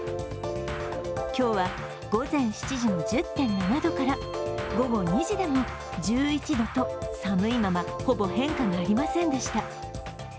今日は午前７時の１０．７度から午後２時でも１１度と寒いままほぼ変化がありませんでした。